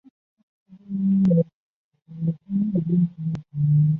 叙伊兹河畔维利耶尔。